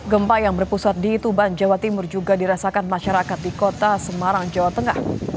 gempa yang berpusat di tuban jawa timur juga dirasakan masyarakat di kota semarang jawa tengah